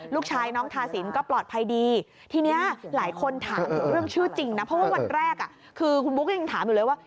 ลูกชายน้องทาสินก็ปลอดภัยดีทีนี้หลายคนถามถึงเรื่องชื่อจริงนะเพราะว่าวันแรกคือคุณบุ๊คยังถามอยู่เลยว่า